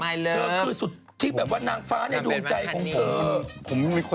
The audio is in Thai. แหละว่านางฟ้าดวงใจของเธอ